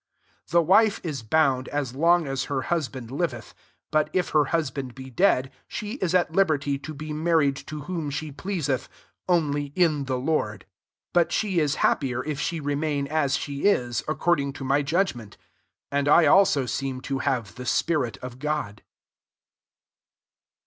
39 The wife is bound, as long as her husband liveth; but if [/^^rl husband be dead, she is at liberty to be married to whom she pleaseth ; only in the Lord. 40 But she is hap pier if she remain as she is, according to my judgment: and I also seem to have the spirit of God.